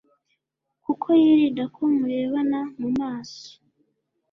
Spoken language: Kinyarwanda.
kuko yirinda ko murebana mu maso